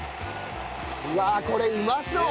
うわこれうまそう！